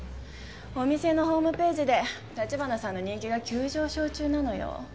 お店のホームページで城華さんの人気が急上昇中なのよ。